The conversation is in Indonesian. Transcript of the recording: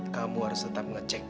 kamu harus tetap ngeceknya leah